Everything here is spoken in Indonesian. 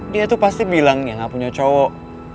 dia tuh pasti bilang ya gak punya cowok